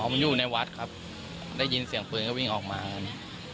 มันอยู่ในวัดครับได้ยินเสียงปืนก็วิ่งออกมากัน